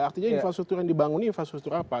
artinya infrastruktur yang dibangun infrastruktur apa